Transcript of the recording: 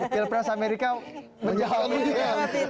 pilpres amerika menjauhkan